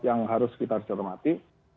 yang harus kita cermati